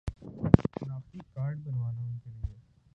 شناختی کارڈ بنوانا ان کے لیے